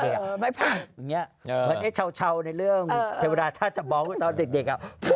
เหมือนไอ้เชาในเรื่องเทวดาท่าจะบอกตอนเด็กอ่ะ